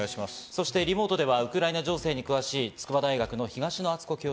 そしてリモートではウクライナ情勢に詳しい筑波大学の東野篤子教